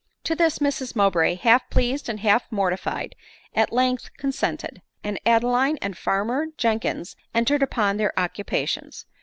To this, Mrs Mowbray, half pleased and half morti fied, at length consented ; and Adeline and farmer Jen kins entered upon their occupations.